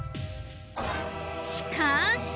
しかし！